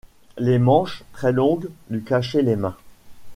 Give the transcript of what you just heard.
Les manches, très longues, lui cachaient les mains.